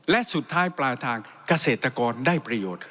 และสุดท้ายปลายทางเกษตรกรได้ประโยชน์